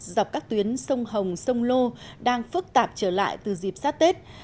dọc các tuyến sông hồng sông lô đang phức tạp trở lại từ dịp sát tết